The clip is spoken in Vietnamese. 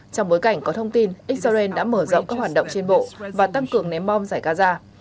trong bối cảnh có thông tin israel đã mở rộng các hoạt động trên bộ và tăng cường ném bom giải gaza